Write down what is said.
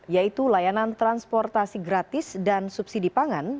yaitu layanan transportasi gratis dan subsidi pangan